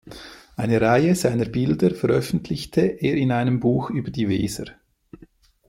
Eine Reihe seiner Bilder veröffentlichte er in einem Buch über die Weser.